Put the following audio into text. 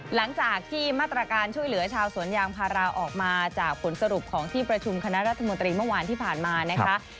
หลังจากที่มาตรการช่วยเหลือชาวสวนยางพาราออกมาจากผลสรุปของที่ประชุมคณะรัฐมนตรีเมื่อวานที่ผ่านมานะคะ